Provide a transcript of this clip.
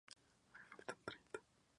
Mejoró el rendimiento.